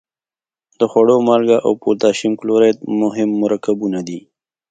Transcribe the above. د خوړو مالګه او پوتاشیم کلورایډ مهم مرکبونه دي.